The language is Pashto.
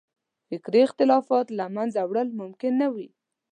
فکري اختلافات له منځه وړل ممکن نه وي.